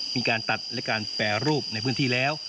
มีการตัดและการแปรรูปในพื้นที่แล้ว